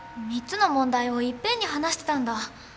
３つの問題をいっぺんに話してたんだ。